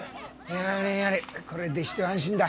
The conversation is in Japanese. やれやれこれでひと安心だ。